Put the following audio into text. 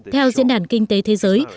theo diễn đàn kinh tế thế giới